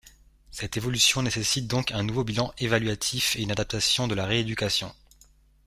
Cette évolution nécessite donc un nouveau bilan évaluatif et une adaptation de la rééducation.